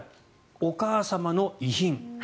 お母様の遺品。